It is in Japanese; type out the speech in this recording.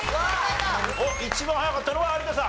一番早かったのは有田さん。